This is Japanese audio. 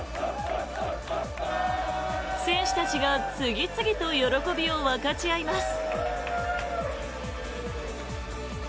選手たちが次々と喜びを分かち合います。